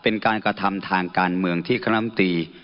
เป็นการกระทำทางการเมืองที่ขนาดน้ำตี